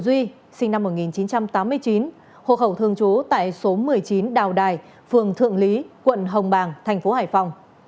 duy sinh năm một nghìn chín trăm tám mươi chín hộ khẩu thường trú tại số một mươi chín đào đài phường thượng lý quận hồng bàng thành phố hải phòng